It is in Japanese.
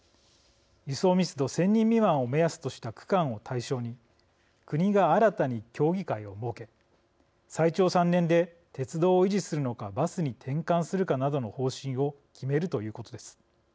輸送密度１０００人未満を目安とした区間を対象に国が新たに協議会を設け最長３年で鉄道を維持するのかバスに転換するかなどの方針を決めるということです。